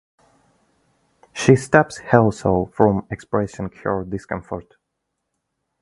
She stops herself from expressing her discomfort.